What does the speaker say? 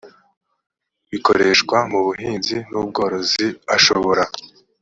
bikoreshwa mu buhinzi n ubworozi ashobora